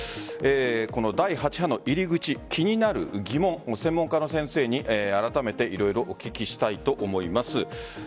この第８波の入り口気になる疑問専門家の先生にあらためて色々、お聞きしたいと思います。